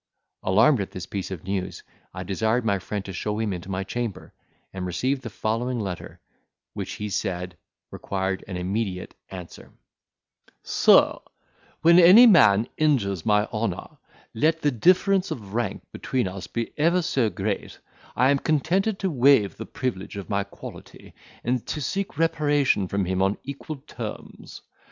Alarmed at this piece of news, I desired my friend to show him into my chamber, and received the following letter, which, he said, required an immediate answer: "Sir,— "When any man injures my honour, let the difference of rank between us be ever so great, I am contented to wave the privilege of my quality, and to seek reparation from him on equal terms.